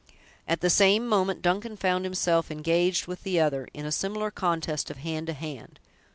At the same moment, Duncan found himself engaged with the other, in a similar contest of hand to hand.